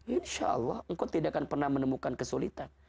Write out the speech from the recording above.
insya allah engkau tidak akan pernah menemukan kesulitan